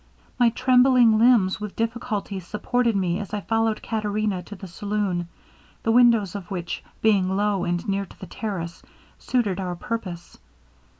My trembling limbs with difficulty supported me as I followed Caterina to the saloon, the windows of which being low and near to the terrace, suited our purpose.